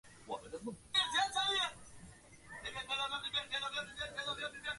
月尘可能进入月球车内部并对其设备造成破坏引发故障。